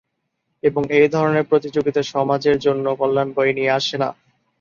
এবং এ ধরনের প্রতিযোগিতা সমাজের জন্য কল্যাণ বয়ে নিয়ে আসে না।